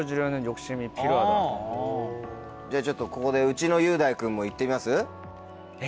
じゃあちょっとここでうちの雄大君もいってみます？え？